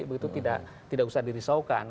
begitu tidak usah dirisaukan